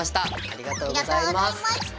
ありがとうございます。